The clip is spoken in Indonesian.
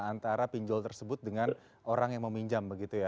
antara pinjol tersebut dengan orang yang meminjam begitu ya